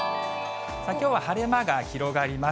さあ、きょうは晴れ間が広がります。